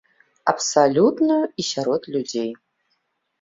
Абсалютную і сярод людзей.